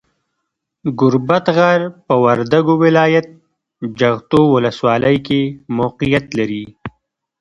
ګوربت غر، په وردګو ولایت، جغتو ولسوالۍ کې موقیعت لري.